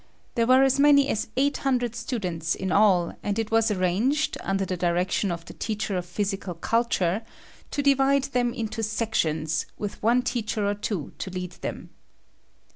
There were as many as eight hundred students in all, and it was arranged, under the direction of the teacher of physical culture to divide them into sections with one teacher or two to lead them.